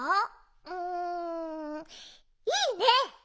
うんいいね！